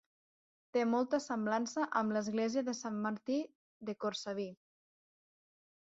Té molta semblança amb l'església de Sant Martí de Cortsaví.